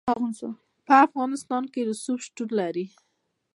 په افغانستان کې رسوب شتون لري.